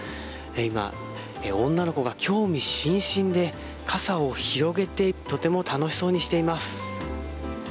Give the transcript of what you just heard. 今、女の子が興味津々で傘を広げてとても楽しそうにしています。